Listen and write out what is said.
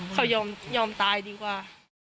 เขายอมตายดีกว่า